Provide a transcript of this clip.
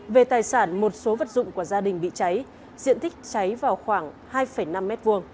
về tài sản một số vật dụng của gia đình bị cháy diện tích cháy vào khoảng hai năm m hai